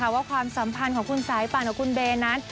หรือว่าความสัมพันธ์ของคุณสายปั่นคุณเบนนั้น